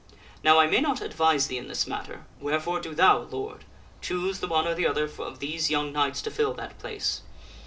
Now I may not advise thee in this matter, wherefore do thou, Lord, choose the one or the other of these young knights to fill that place.